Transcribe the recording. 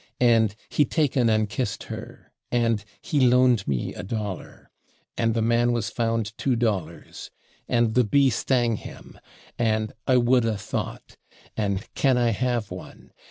And "he /taken/ and kissed her," and "he /loaned/ me a dollar," and "the man was /found/ two dollars," and "the bee /stang/ him," and "I /wouldda/ thought," and "/can/ I have one?"